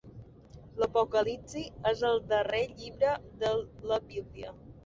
L'Apocalipsi és el darrer llibre de la Bíblia.